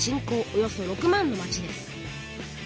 およそ６万の町です。